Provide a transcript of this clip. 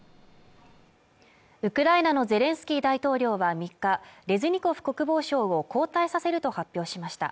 ウクライナのゼレンスキー大統領は３日レズニコフ国防相を交代させると発表しました